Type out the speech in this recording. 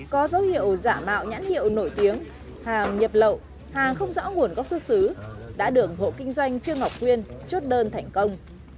có dấu hiệu giả mạo nhãn hiệu nổi tiếng hàng nhập lậu hàng không rõ nguồn gốc xuất xứ đã được hộ kinh doanh trương ngọc quyên chốt đơn thành công